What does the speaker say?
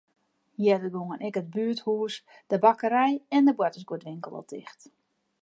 Earder gongen ek it buerthûs, de bakkerij en de boartersguodwinkel al ticht.